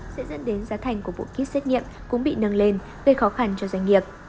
sẽ dẫn đến giá thành của bộ kit xét nghiệm cũng bị nâng lên gây khó khăn cho doanh nghiệp